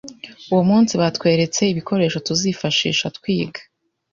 Uwo munsi batweretse ibikoresho tuzifashisha twiga